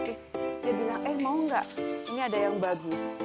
terus dia bilang eh mau gak ini ada yang bagus